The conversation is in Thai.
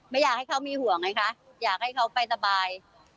ไม่อยากให้เขามีห่วงไงคะอยากให้เขาไปสบาย